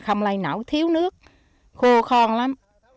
không lây nổi thì thiếu nước khô khòn lắm